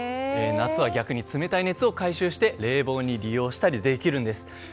夏は逆に冷たい熱を回収して冷房に利用したりできるんです。